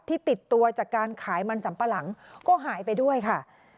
ติดตัวจากการขายมันสัมปะหลังก็หายไปด้วยค่ะ